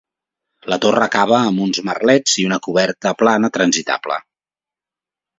La torre acaba amb uns merlets i una coberta plana transitable.